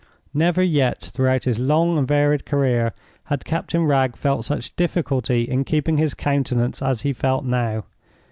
Never yet, throughout his long and varied career, had Captain Wragge felt such difficulty in keeping his countenance as he felt now.